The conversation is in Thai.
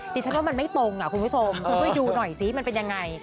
ดิฉันว่ามันไม่ตรงคุณผู้ชมคุณช่วยดูหน่อยซิมันเป็นยังไง